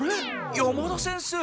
山田先生。